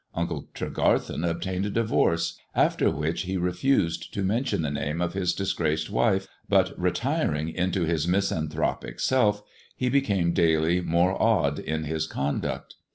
Unci Tregarthen obtained a divorce ; after which he refused t mention the name of his disgraced wife, but retiring int his misanthropic self, he became daily more odd in hi * conduct.